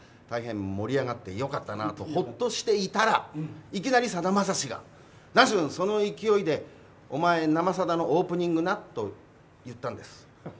大変盛り上がってよかったなと、ほっとしていたらいきなり、さだまさしがラジオの勢いでお前「生さだ」のオープニングなと言ったんです。